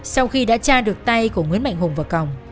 sau khi đã tra được tay của nguyễn mạnh hùng vào còng